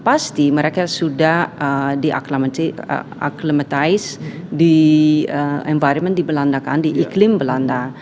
pasti mereka sudah diaklimatisasi di lingkungan di belanda di iklim belanda